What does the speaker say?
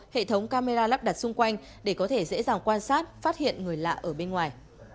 hệ thống camera lắp đặt xung quanh để có thể dễ dàng quan sát phát hiện người lạ ở bên ngoài